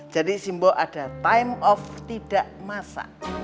jadi simbo ada time off tidak masa